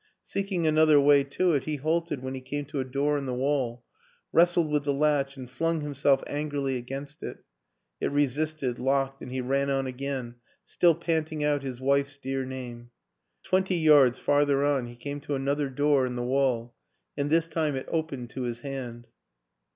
Seeking another way to it, he halted when he came to a door in the wall, wrestled with the latch and flung himself angrily against it ; it resisted, locked, and he ran on again, still panting out his wife's dear name. Twenty yards farther on he came to another door in the wall and this time it opened to his hand.